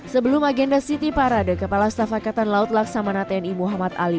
sebelum agenda siti parade kepala staff akatan laut laksamanat tni muhammad ali